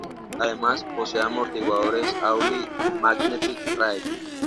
Además posee amortiguadores Audi magnetic ride.